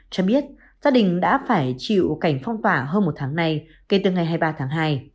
cho biết gia đình đã phải chịu cảnh phong tỏa hơn một tháng nay kể từ ngày hai mươi ba tháng hai